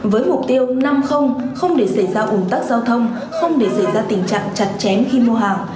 với mục tiêu năm không để xảy ra ủn tắc giao thông không để xảy ra tình trạng chặt chém khi mua hàng